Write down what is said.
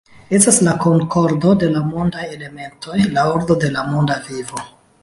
Estas la konkordo de la mondaj elementoj, la ordo de la monda vivo.